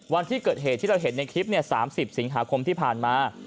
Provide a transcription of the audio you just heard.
วันที่เกิดเหตุที่เราเห็นในคลิป๓๐สิงหาคมที่ผ่านมา